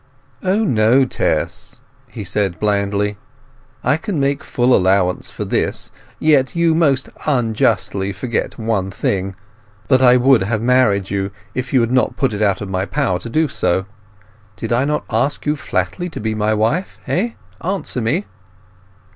"O no, no, Tess," he said blandly. "I can make full allowance for this. Yet you most unjustly forget one thing, that I would have married you if you had not put it out of my power to do so. Did I not ask you flatly to be my wife—hey? Answer me."